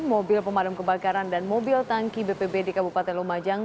mobil pemadam kebakaran dan mobil tangki bpbdk bupaten lumajang